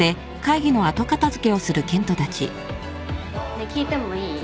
ねえ聞いてもいい？